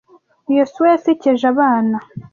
Yosuwa yasekeje abana.